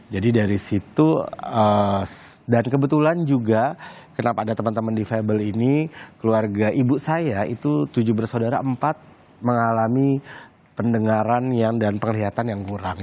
jadi dari situ dan kebetulan juga kenapa ada teman teman di febl ini keluarga ibu saya itu tujuh bersaudara empat mengalami pendengaran dan penglihatan yang kurang